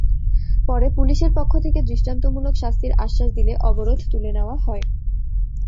পরে পুলিশের পক্ষ থেকে দৃষ্টান্তমূলক শাস্তির আশ্বাস দিলে অবরোধ তুলে নেওয়া হয়।